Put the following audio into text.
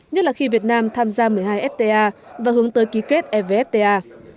nhất là khi việt nam tham gia một mươi hai fta và hướng tới ký kết evfta